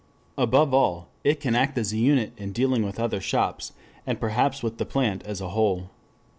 Above all it can act as a unit in dealing with other shops, and perhaps with the plant as a whole.